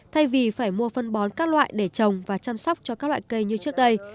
thay vì phải mua phân bón các loại để trồng và chăm sóc cho các loại cây như trước đây